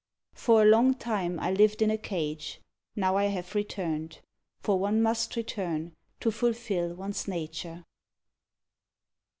For a long time I lived in a cage; Now I have returned. For one must return To fulfil one's nature.